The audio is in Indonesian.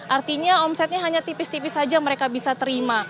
artinya omsetnya hanya tipis tipis saja mereka bisa terima